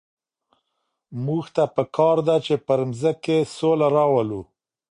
موږ ته په کار ده چي پر مځکي سوله راولو.